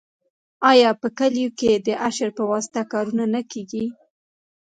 آیا په کلیو کې د اشر په واسطه کارونه نه کیږي؟